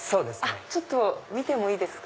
ちょっと見てもいいですか？